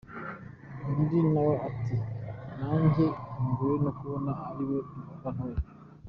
Undi nawe ati nanjye ntunguwe no kubona ariwe wantoye.